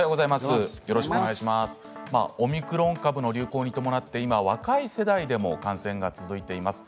オミクロン株の流行に伴って今若い世代でも感染が続いています。